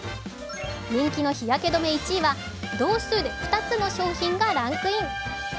人気の日焼け止め１位は同数で２つの商品がランクイン。